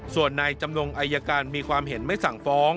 ส่วนในจำนงอายการมีความเห็นไม่สั่งฟ้อง